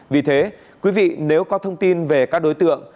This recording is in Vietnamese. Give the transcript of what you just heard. vì thế quý vị nếu có thông tin về các đối tượng